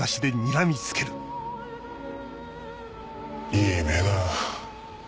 いい目だ。